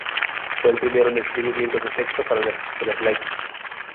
Fue el primero en escribir libros de texto para las escuelas laicas.